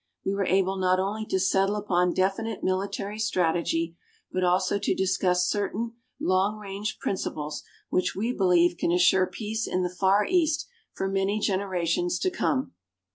We were able not only to settle upon definite military strategy, but also to discuss certain long range principles which we believe can assure peace in the Far East for many generations to come.